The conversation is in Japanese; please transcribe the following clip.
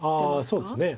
そうですね。